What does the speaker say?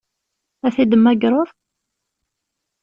Ad t-id-temmagreḍ?